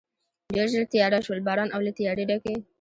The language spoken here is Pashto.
ډېر ژر تېاره شول، باران او له تیارې ډکې.